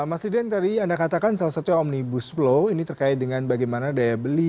mas riden tadi anda katakan salah satunya omnibus law ini terkait dengan bagaimana daya beli